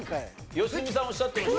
良純さんおっしゃってました。